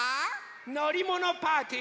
のりものパーティー。